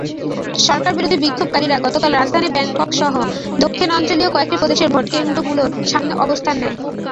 সরকারবিরোধী বিক্ষোভকারীরা গতকাল রাজধানী ব্যাংককসহ দক্ষিণাঞ্চলীয় কয়েকটি প্রদেশের ভোটকেন্দ্রগুলোর সামনে অবস্থান নেয়।